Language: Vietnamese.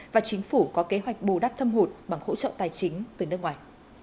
và chính phủ có kế hoạch bù đắp thâm hụt bằng hỗ trợ tài chính từ nước ngoài